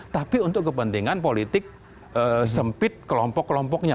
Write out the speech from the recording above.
tapi untuk kepentingan politik sempit kelompok kelompoknya